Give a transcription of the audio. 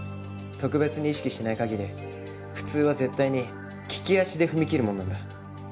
特別に意識しない限り普通は絶対に利き足で踏み切るものなんだ。